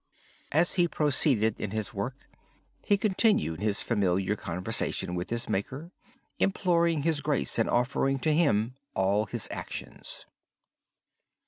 As he proceeded in his work, he continued his familiar conversation with his Maker, imploring His grace, and offering to Him all his actions.